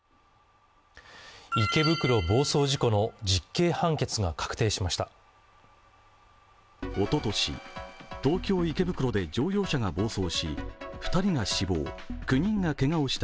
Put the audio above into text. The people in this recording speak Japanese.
池袋暴走事故の実刑判決が確定しました。